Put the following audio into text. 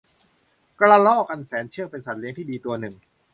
กระรอกอันแสนเชื่องเป็นสัตว์เลี้ยงที่ดีตัวหนึ่ง